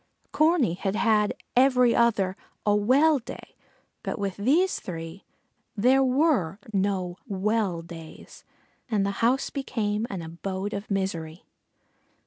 Corney had had every other a "well day," but with these three there were no "well days" and the house became an abode of misery.